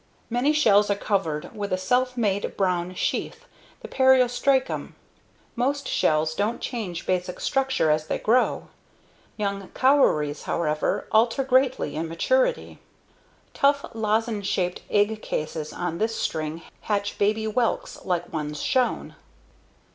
Many shells are covered with a self made brown sheath, the PERIOSTRACUM. [figure captions] Most shells don't change basic structure as they grow. Young COWRIES (l.), however, alter greatly in maturity (r.). Tough, lozenge shaped egg cases on this string hatch baby WHELKS like ones shown.